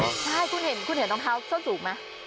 ใช่คุณเห็นคุณเห็นรองเท้าส้นสูงไหม